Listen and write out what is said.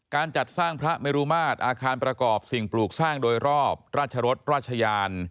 การจัดสร้างพระเมรุมาตรอาคารประกอบสิ่งปลูกสร้างโดยรอบราชรสราชยาน